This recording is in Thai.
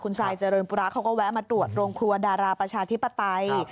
ทรายเจริญปุระเขาก็แวะมาตรวจโรงครัวดาราประชาธิปไตย